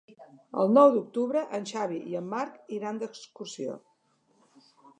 El nou d'octubre en Xavi i en Marc iran d'excursió.